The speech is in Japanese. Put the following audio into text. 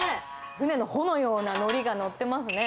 船の帆のようなのりが載ってますね。